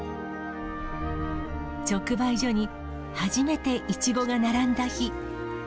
直売所に初めてイチゴが並んだ日。